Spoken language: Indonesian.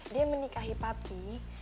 dia menikahi papi